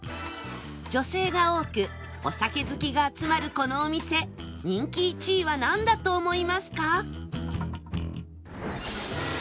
女性が多くお酒好きが集まるこのお店人気１位はなんだと思いますか？